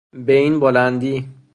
به این بلندی